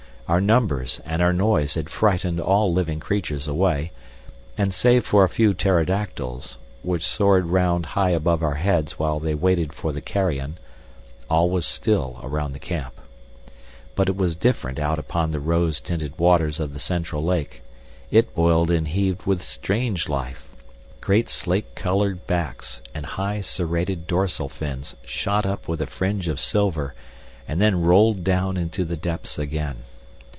Our numbers and our noise had frightened all living creatures away, and save for a few pterodactyls, which soared round high above our heads while they waited for the carrion, all was still around the camp. But it was different out upon the rose tinted waters of the central lake. It boiled and heaved with strange life. Great slate colored backs and high serrated dorsal fins shot up with a fringe of silver, and then rolled down into the depths again.